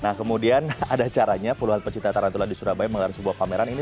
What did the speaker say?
nah kemudian ada caranya puluhan pecinta tarantula di surabaya mengalami sebuah pameran ini